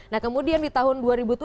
nah kemudian di tahun dua ribu tujuh